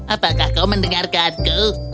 apakah kau mendengarkanku